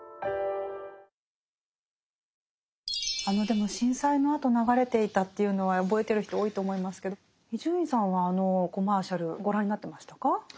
あのでも震災のあと流れていたというのは覚えてる人多いと思いますけど伊集院さんはあのコマーシャルご覧になってましたか？